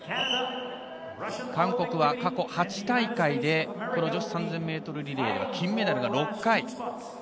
韓国は過去８大会で女子３０００ｍリレーは金メダルが６回。